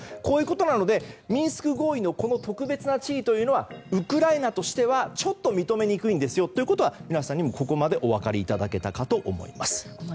こういうことなのでミンスク合意の特別な地位というのはウクライナとしてはちょっと認めにくいですよということは皆さんにもお分かりいただけたかと思います。